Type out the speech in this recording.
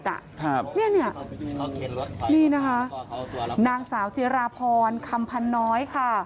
นี่นะครับนางสาวเจราพรคำพันน้อยค่ะ